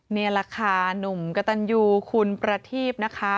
นี่แหละค่ะหนุ่มกระตันยูคุณประทีพนะคะ